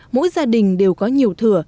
mỗi gia đình đều có nhiều thừa